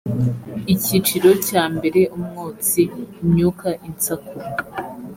icyiciro cyambere umwotsi imyuka insaku